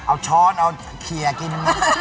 เอาช้อนเอาเขียกิน